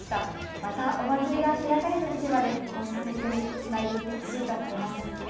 またお祭りが開かれるときまでこうした取り組み、つないでいってほしいと思います。